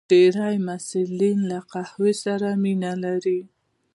ډېری محصلین له قهوې سره مینه لري.